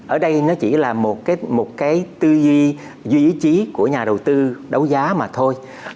ở đây nó chỉ là một cái tư duy duy trí của nhà đầu tư đấu giá mà thôi